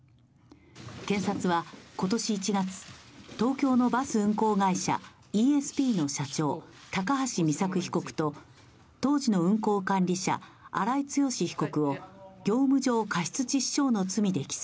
検察は今年１月、東京のバス運行会社イーエスピーの社長高橋美作被告と当時の運行管理者、荒井強被告を業務上過失致死傷の罪で起訴。